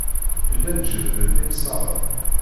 Llan jebbden-d imsaɣen.